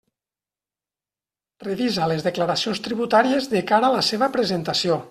Revisa les declaracions tributàries de cara a la seva presentació.